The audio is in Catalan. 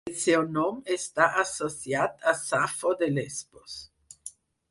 El seu nom està associat a Safo de Lesbos.